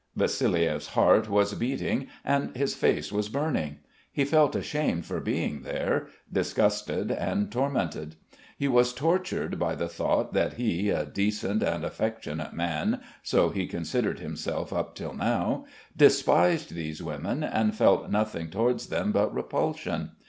Vassiliev's heart was beating and his face was burning. He felt ashamed for being there, disgusted and tormented. He was tortured by the thought that he, a decent and affectionate man (so he considered himself up till now), despised these women and felt nothing towards them but repulsion.